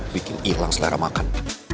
bikin hilang selera makan